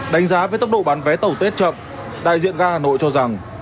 đánh giá với tốc độ bán vé tàu tết chậm đại diện gà hà nội cho rằng